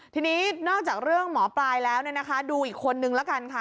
ทีนี้นอกจากเรื่องหมอปลายแล้วดูอีกคนนึงละกันค่ะ